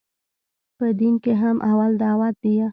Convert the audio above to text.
په دين کښې هم اول دعوت ديه.